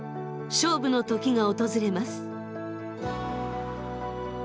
勝負の時が訪れます。